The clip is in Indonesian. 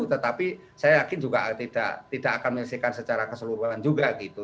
tetapi saya yakin juga tidak akan menyelesaikan secara keseluruhan juga gitu